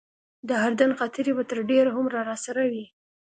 د اردن خاطرې به تر ډېره عمره راسره وي.